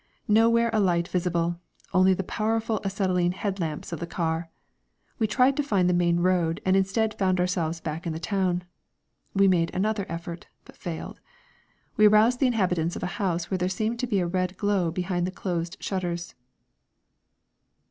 Nowhere a light visible, only the powerful acetylene headlamps of the car. We tried to find the main road and instead found ourselves back in the town. We made another effort, but failed. We aroused the inhabitants of a house where there seemed to be a red glow behind the closed shutters.